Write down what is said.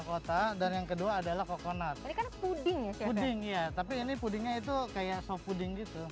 kota dan yang kedua adalah kokonat puding puding ya tapi ini pudingnya itu kayak sop puding gitu